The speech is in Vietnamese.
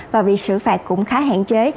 và vì xử phạt cũng khá hạn chế